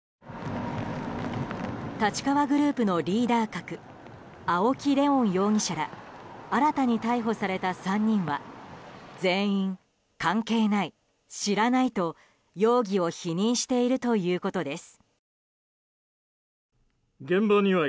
立川グループのリーダー格青木玲音容疑者ら新たに逮捕された３人は全員、関係ない、知らないと容疑を否認しているということです。